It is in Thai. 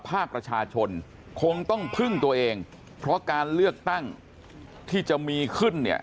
ภาคประชาชนคงต้องพึ่งตัวเองเพราะการเลือกตั้งที่จะมีขึ้นเนี่ย